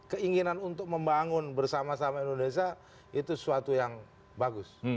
keinginan untuk membangun bersama sama indonesia itu sesuatu yang bagus